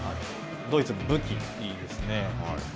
ドイツの武器ですね。